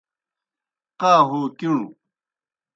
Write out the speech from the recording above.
قا ہو کِݨوْ